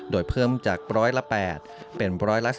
โดยเพิ่มจาก๑๐๘เป็น๑๑๕๒๐